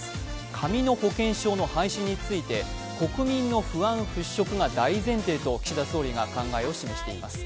紙の保険証の廃止について国民の不安払拭が大前提と、岸田総理が考えを示しています。